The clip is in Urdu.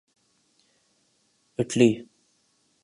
اٹلی